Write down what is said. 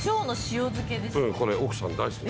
これ奥さん大好き。